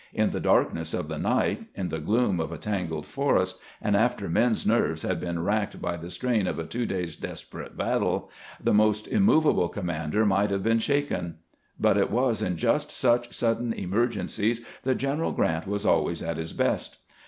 In the darkness of the night, in the gloom of a tangled forest, and after men's nerves had been racked by the strain of a two days' desperate battle, the most immovable commander might have been shaken. But it was in just such sudden emergencies that General Grant was always at his best.